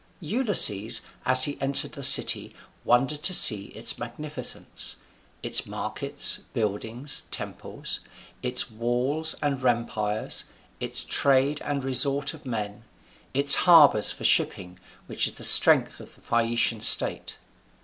Ulysses as he entered the city wondered to see its magnificence, its markets, buildings, temples; its walls and rampires; its trade, and resort of men; its harbours for shipping, which is the strength of the Phaeacian state.